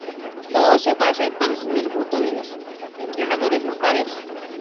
Todo se basa entonces en el voto de los entrenadores locales.